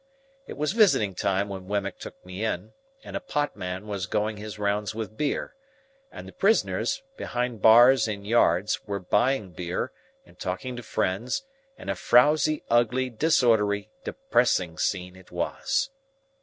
It was visiting time when Wemmick took me in, and a potman was going his rounds with beer; and the prisoners, behind bars in yards, were buying beer, and talking to friends; and a frowzy, ugly, disorderly, depressing scene it was.